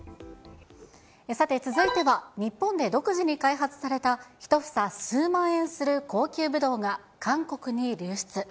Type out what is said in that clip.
さて、続いては日本で独自に開発された、１房数万円する高級ぶどうが、韓国に流出。